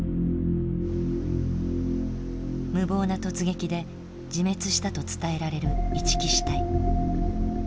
無謀な突撃で自滅したと伝えられる一木支隊。